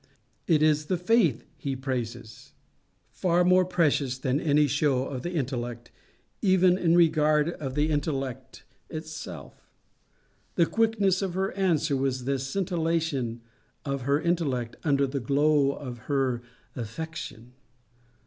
It is the faith he praises, [Footnote 5: Far more precious than any show of the intellect, even in regard of the intellect itself. The quickness of her answer was the scintillation of her intellect under the glow of her affection.